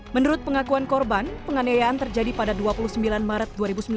menurut pengakuan korban penganiayaan terjadi pada dua puluh sembilan maret dua ribu sembilan belas